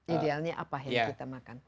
idealnya apa yang kita makan